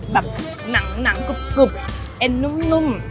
แบบหนังกรุบเอ็นนุ่ม